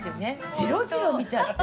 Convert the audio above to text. ジロジロ見ちゃって。